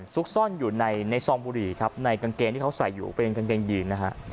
ซุกซ่อนอยู่ในซองบุหรี่ครับในกางเกงที่เขาใส่อยู่เป็นกางเกงยีนนะฮะ